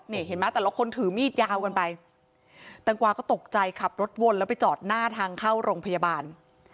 นี่เห็นไหมแต่ละคนถือมีดยาวกันไปแตงกวาก็ตกใจขับรถวนแล้วไปจอดหน้าทางเข้าโรงพยาบาล